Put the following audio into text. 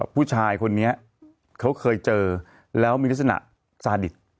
ผู้ชายคนนี้เขาเคยเจอแล้วมีลักษณะซาดิต